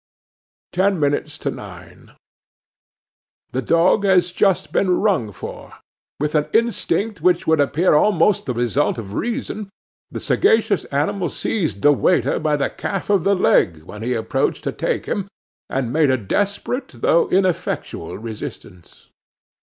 'Ten minutes to nine. 'THE dog has just been rung for. With an instinct which would appear almost the result of reason, the sagacious animal seized the waiter by the calf of the leg when he approached to take him, and made a desperate, though ineffectual resistance.